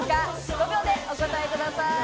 ５秒でお答えください。